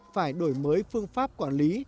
phải đổi mới phương pháp quản lý